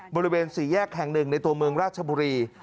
บริเวณสี่แยกแห่งหนึ่งในตัวเมืองราชบุรี